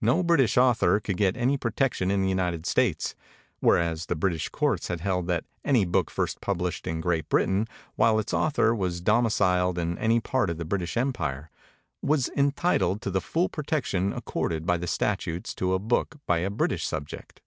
No British author could get any protection in the United States, whereas the British courts had held that any book first published in Great Britain while its author was domiciled in any part of the British Empire, was entitled to the full protection accorded by the statutes to a book by a British subject.